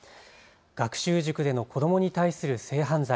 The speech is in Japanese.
学習塾での子どもに対する性犯罪。